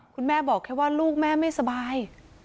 คุณแม่บอกแค่ว่าลูกแม่ไม่สบาย